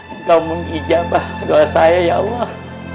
engkau mengijabah doa saya ya allah